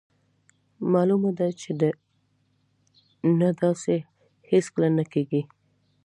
مالومه ده چې نه داسې هیڅکله نه کیږي.